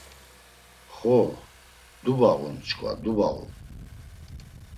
Xo, dubağun çkva dubağu!